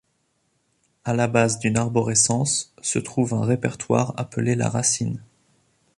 À la base d'une arborescence se trouve un répertoire appelé la racine.